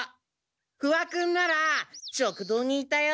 不破君なら食堂にいたよ！